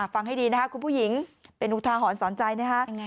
ฟังให้ดีนะครับคุณผู้หญิงเป็นอุทาหรณ์สอนใจนะฮะ